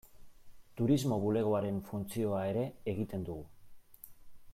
Turismo bulegoaren funtzioa ere egiten dugu.